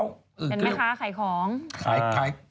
เป็นไหมคะขายของ